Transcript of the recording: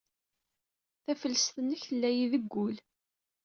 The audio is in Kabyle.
Taflest-nnek tella-iyi deg wul.